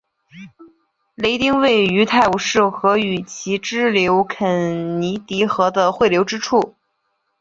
雷丁位于泰晤士河与其支流肯尼迪河的汇流之处。